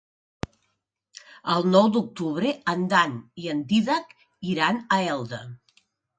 El nou d'octubre en Dan i en Dídac iran a Elda.